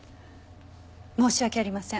申し訳ありません。